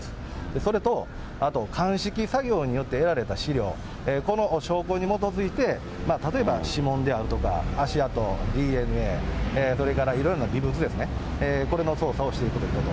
それと、あと鑑識作業によって得られた資料、この証拠に基づいて、例えば指紋であるとか、足跡、ＤＮＡ、それからいろんな遺物ですね、これの捜査をしていくということ。